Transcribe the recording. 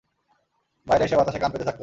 বাইরে এসে বাতাসে কান পেতে থাকত।